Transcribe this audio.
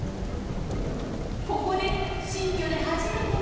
ここで、新居で初めての。